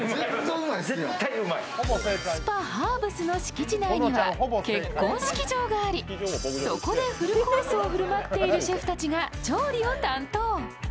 ＳＰＡＨＥＲＢＳの敷地内には結婚式場がありそこでフルコースを振る舞っているシェフたちが調理を担当。